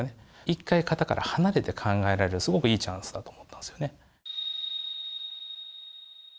一回型から離れて考えられるすごくいいチャンスだと思ったんですよね。